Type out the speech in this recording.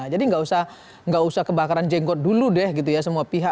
jadi nggak usah kebakaran jenggot dulu deh semua pihak